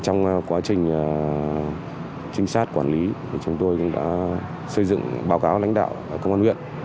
trong quá trình trinh sát quản lý chúng tôi cũng đã xây dựng báo cáo lãnh đạo công an huyện